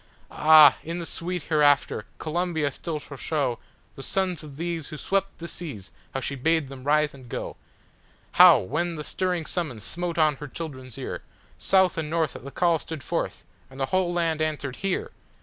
Ah, in the sweet hereafter Columbia still shall showThe sons of these who swept the seas how she bade them rise and go,—How, when the stirring summons smote on her children's ear, South and North at the call stood forth, and the whole land answered, "Here!"